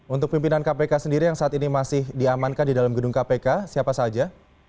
untuk pimpinan kpk sendiri yang saat ini masih diamankan di dalam gedung kpk siapa saja